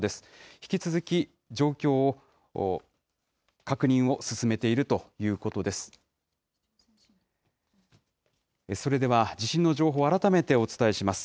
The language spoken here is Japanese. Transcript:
引き続き状況確認を進めているということです。